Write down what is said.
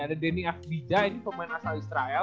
ada danny akbidah ini pemain asal israel